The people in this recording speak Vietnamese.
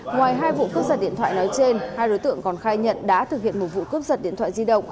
ngoài hai vụ cướp giật điện thoại nói trên hai đối tượng còn khai nhận đã thực hiện một vụ cướp giật điện thoại di động